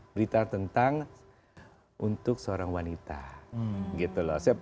berita tentang untuk seorang wanita gitu loh